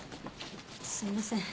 すみません。